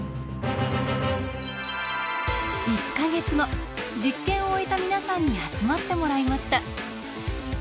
１か月後実験を終えた皆さんに集まってもらいました。